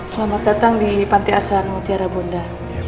selamat datang di panti asuhan mutiara bunda